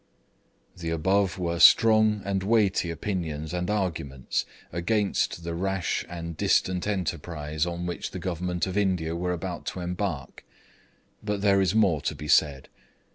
The above were strong and weighty opinions and arguments against the rash and distant enterprise on which the Government of India were about to embark. But there is more to be said.